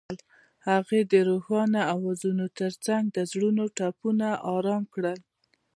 هغې د روښانه اوازونو ترڅنګ د زړونو ټپونه آرام کړل.